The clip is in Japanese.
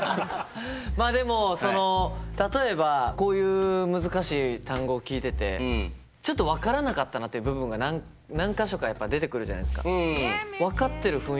まあでもその例えばこういう難しい単語聞いててちょっと分からなかったなっていう部分が何か所かやっぱ出てくるじゃないすか。